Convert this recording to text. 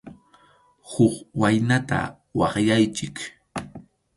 Huk waynata waqyaychik.